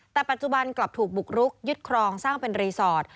แต่ปัจจุบันกลับถูกบุกรุกยึดครองสร้างเป็นรีสอร์ท